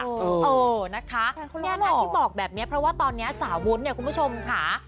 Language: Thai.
เออนะคะที่บอกแบบนี้เพราะว่าตอนนี้สาววุ้นเนี่ยคุณผู้ชมค่ะ